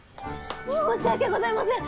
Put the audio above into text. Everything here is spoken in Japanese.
申し訳ございません！